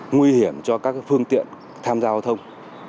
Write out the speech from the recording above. nguy hiểm cho các phương tiện tham gia giao thông